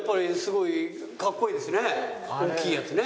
大きいやつね。